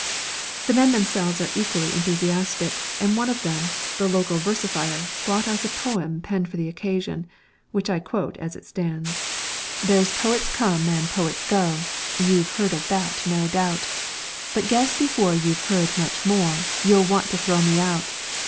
The men themselves are equally enthusiastic, and one of them, the local versifier, brought us a poem penned for the occasion, which I quote as it stands: _"There's poets come and poets go, You've heard of that no doubt, But guess before you've heard much more You'll want to throw me out.